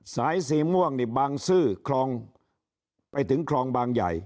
สายสีม่วงนี่บางซื่อคลองไปถึงคลองบางใหญ่